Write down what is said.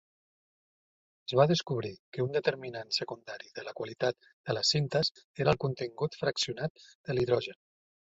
Es va descobrir que un determinant secundari de la qualitat de les cintes era el contingut fraccionat de l"hidrogen.